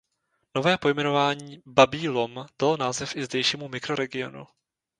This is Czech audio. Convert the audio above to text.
Nové pojmenování "Babí lom" dalo název i zdejšímu mikroregionu.